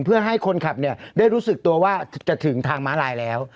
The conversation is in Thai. เพื่อให้คนขับได้รู้สึกตัวว่าจะถึงทางม้าลายแล้ว